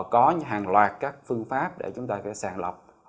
có hàng loạt các phương pháp để chúng ta có sàng lọc